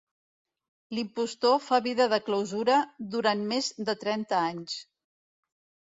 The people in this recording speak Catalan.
L'impostor fa vida de clausura durant més de trenta anys.